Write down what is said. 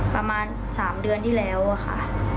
ประมาณ๓เดือนที่แล้วค่ะ